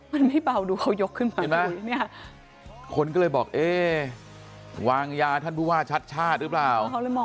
มันไม่เบาดูเขายกขึ้นมาคนก็เลยบอกเอ๊ะวางยาท่านผู้ว่าชัดหรือเปล่า